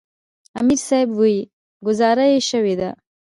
امیر صېب وې " ګذاره ئې شوې ده ـ